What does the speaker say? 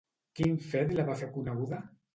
Quin fet la va fer coneguda?